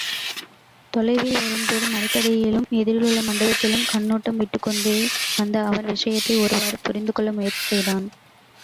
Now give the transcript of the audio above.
தொலைவில் வரும்போது மரத்தடியிலும் எதிரிலுள்ள மண்டபத்திலும் கண்ணோட்டம் விட்டுக்கொண்டே வந்த அவன், விஷயத்தை ஒருவாறு புரிந்துகொள்ள முயற்சி செய்தான்.